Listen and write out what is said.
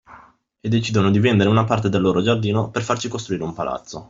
E decidono di vendere una parte del loro giardino per farci costruire un palazzo